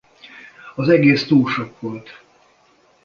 Az egész túl sok volt.